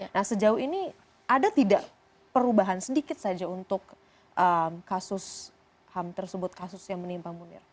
nah sejauh ini ada tidak perubahan sedikit saja untuk kasus ham tersebut kasus yang menimpa munir